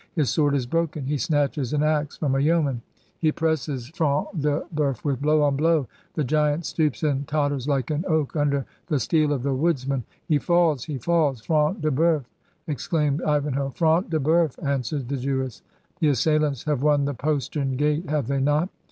His sword is broken — he snatches an axe from a yeoman — he presses Front de Boeuf with blow on blow — ^the giant stoops and totters like an oak under the steel of the woodsman — he falls, he falls!' 'Front de Boeuf?' exclaimed Ivan hoe. 'Front de BoeufI' answered the Jewess. 'The assailants have won the postern gate, have they not?